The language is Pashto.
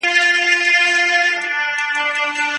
پخپله اوږه ډېري مڼې یوسه او وړل یې مه پریږده.